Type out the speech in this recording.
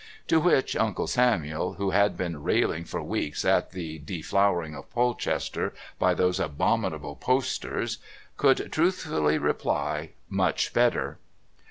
to which Uncle Samuel, who had been railing for weeks at the deflowering of Polchester by those abominable posters, could truthfully reply, "Much better."